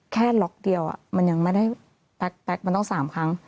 ล็อกเดียวมันยังไม่ได้แป๊กมันต้อง๓ครั้ง